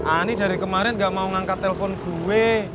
ani dari kemarin gak mau ngangkat telpon gue